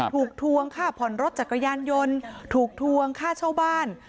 ทวงค่าผ่อนรถจักรยานยนต์ถูกทวงค่าเช่าบ้าน